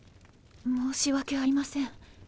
申し訳ありません。